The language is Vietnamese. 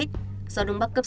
gió đông bắc cấp sáu